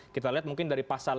kita lihat mungkin dari pasal